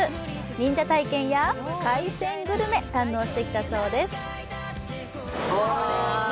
忍者体験や海鮮グルメを堪能してきたそうです。